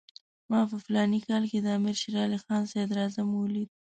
ما په فلاني کال کې د امیر شېر علي صدراعظم ولید.